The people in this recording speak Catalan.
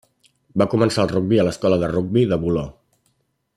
Va començar el rugbi a l'escola de rugbi del Voló.